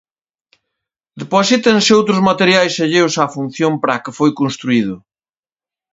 Deposítanse outros materiais alleos á función para a que foi construído.